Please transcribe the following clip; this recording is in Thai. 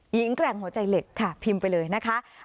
แกร่งหัวใจเหล็กค่ะพิมพ์ไปเลยนะคะ